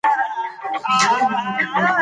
تقوا د علم په ترلاسه کولو کې مرسته کوي.